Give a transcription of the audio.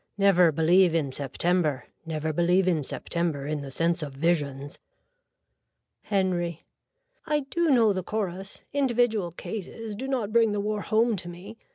Never believe in September. Never believe in September in the sense of visions. (Henry.) I do know the chorus. Individual cases do not bring the war home to me.